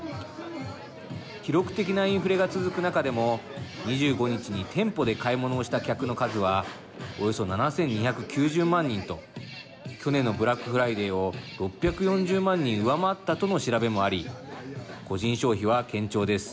記録的なインフレが続く中でも２５日に店舗で買い物をした客の数はおよそ７２９０万人と去年のブラックフライデーを６４０万人上回ったとの調べもあり個人消費は堅調です。